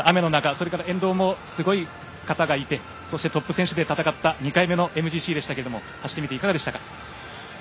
それから沿道もすごい人がいてトップ選手で戦った２回目のＭＧＣでしたが走ってみていかがでしたか？